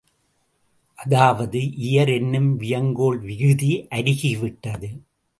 அதாவது, இயர் என்னும் வியங்கோள் விகுதி அருகி விட்டது.